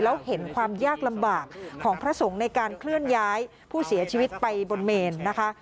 แล้วเห็นความยากลำบากของพระสงฆ์ในการเคลื่อนย้ายผู้เสียชีวิตไปบนเมนนะคะ